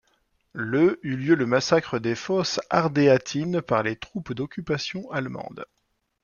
Le eut lieu le massacre des Fosses ardéatines par les troupes d'occupation allemande.